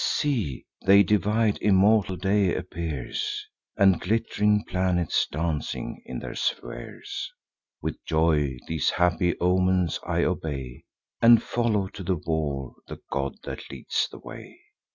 See, they divide; immortal day appears, And glitt'ring planets dancing in their spheres! With joy, these happy omens I obey, And follow to the war the god that leads the way."